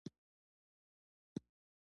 په هر سلام له هر چا سره پخه اراده لري.